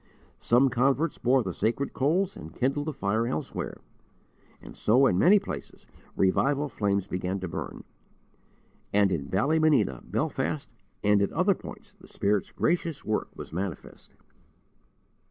Some converts bore the sacred coals and kindled the fire elsewhere, and so in many places revival flames began to burn; and in Ballymena, Belfast, and at other points the Spirit's gracious work was manifest.